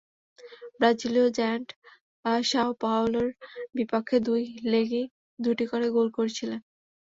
ব্রাজিলীয় giant Sao পাওলোর বিপক্ষে দুই লেগেই দুটি করে গোল করেছিলেন।